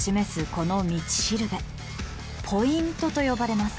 この道しるべポイントと呼ばれます。